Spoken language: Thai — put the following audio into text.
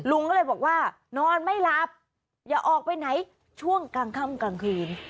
ลุงก็เลยบอกว่านอนไม่หลับอย่าออกไปไหนช่วงกลางค่ำกลางคืน